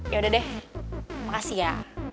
yaudah deh makasih ya